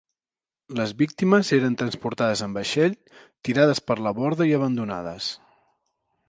Les víctimes eren transportades en vaixell, tirades per la borda i abandonades.